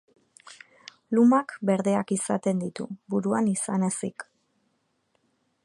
Lumak berdeak izaten ditu, buruan izan ezik.